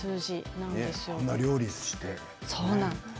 あんな料理をして？